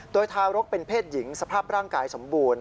โดยทารกเป็นเพศหญิงสภาพร่างกายสมบูรณ์